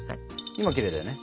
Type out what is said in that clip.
今きれいだよね？